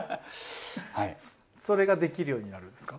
⁉それができるようになるんですか？